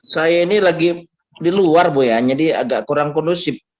saya ini lagi di luar bu ya jadi agak kurang kondusif